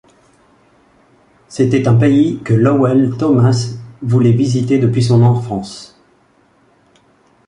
C'était un pays que Lowell Thomas voulait visiter depuis son enfance.